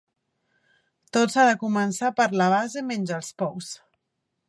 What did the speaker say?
Tot s'ha de començar per la base menys els pous.